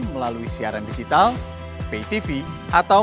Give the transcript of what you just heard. melalui tempat tempat yang lain